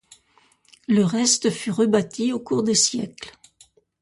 Le reste fut rebâti au cours des siècles.